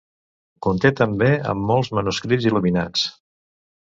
Conté també amb molts manuscrits il·luminats.